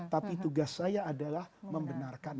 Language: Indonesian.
tapi tugas saya adalah membenarkan